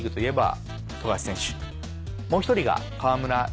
もう１人が。